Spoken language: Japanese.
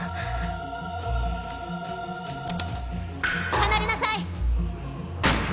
離れなさい！